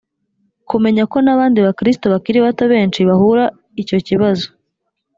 kumenya ko n abandi bakristo bakiri bato benshi bahura icyo kibazo